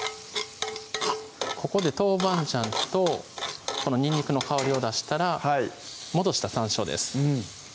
ここで豆板醤とこのにんにくの香りを出したら戻したさんしょうです